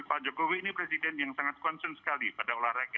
pak jokowi ini presiden yang sangat concern sekali pada olahraga